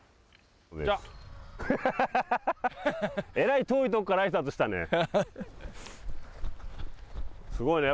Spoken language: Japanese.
えらい遠くからあいさつしたね。